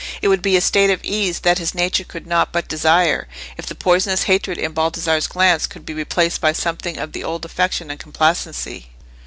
It would be a state of ease that his nature could not but desire, if the poisonous hatred in Baldassarre's glance could be replaced by something of the old affection and complacency.